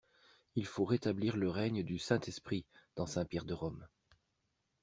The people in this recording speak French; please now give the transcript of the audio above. Il faut rétablir le règne du Saint-Esprit dans Saint-Pierre de Rome!